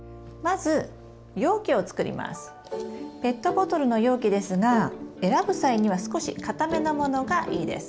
ペットボトルの容器ですが選ぶ際には少しかためなものがいいです。